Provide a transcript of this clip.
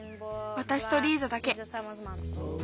わたしとリーザだけ。